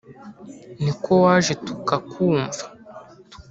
niko waje tuka kumva